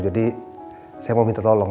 jadi saya mau minta tolong